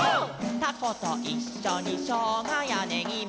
「たこといっしょにしょうがやねぎも」